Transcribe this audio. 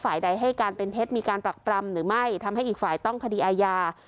ใดให้การเป็นเท็จมีการปรักปรำหรือไม่ทำให้อีกฝ่ายต้องคดีอาญา